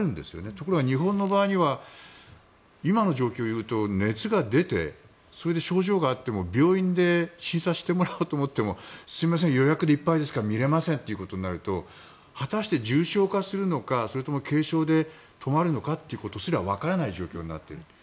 ところが日本の場合には今の状況を言うと熱が出て、それで症状があっても病院で診察してもらおうと思ってもすみません予約でいっぱいですから診られませんってことになると果たして重症化するのかそれとも軽症で止まるのかということすらわからない状況になっている。